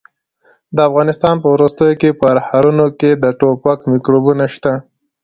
د افغانستان په ورستو پرهرونو کې د ټوپک میکروبونه شته.